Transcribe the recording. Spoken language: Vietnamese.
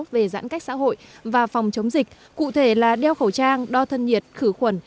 về giãn cách xã hội và phòng chống dịch cụ thể là đeo khẩu trang đo thân nhiệt khử khuẩn